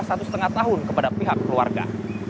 satu setengah tahun kepada pihak keluarga